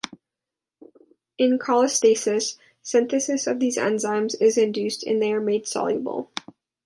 In cholestasis, synthesis of these enzymes is induced and they are made soluble.